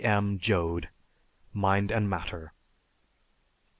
M. Joad, "Mind and Matter."